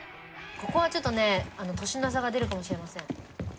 ここはちょっとね年の差が出るかもしれません。